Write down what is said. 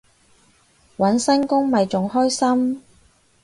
搵新工咪仲開心